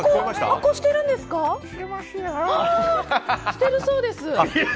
してるそうです！